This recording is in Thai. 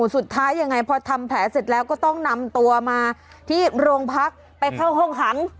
สุดท้ายยังไงพอทำแผลเสร็จแล้วก็ต้องนำตัวมาที่โรงพักไปเข้าห้องขัง